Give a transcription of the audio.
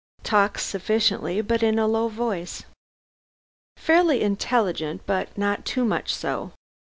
Talks sufficiently, but in a low voice. Fairly intelligent, but not too much so.